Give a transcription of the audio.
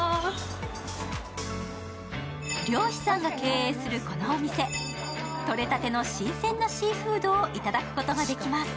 漁師さんが経営するこのお店、とり立ての新鮮なシーフードをいただくことができます。